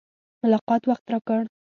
ملاقات وخت راکړ.